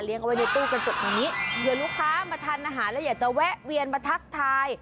เอาไว้ในตู้กระจกอย่างนี้เผื่อลูกค้ามาทานอาหารแล้วอยากจะแวะเวียนมาทักทาย